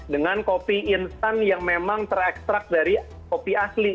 dengan kopi instant yang memang terextract dari kopi asli